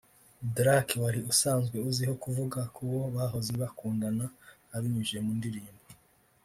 Drake wari usanzwe uzwiho kuvuga ku bo bahoze bakundana abinyujije mu ndirimbo